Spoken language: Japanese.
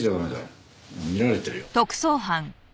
見られてるよ。